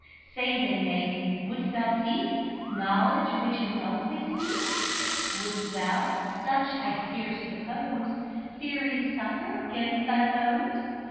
Say, then, maiden, would'st thou seek Knowledge which an elf may speak? Would'st thou (such I scarce suppose) Fairy succour 'gainst thy foes?